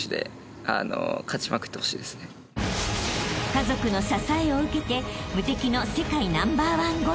［家族の支えを受けて無敵の世界ナンバーワンゴルファーへ］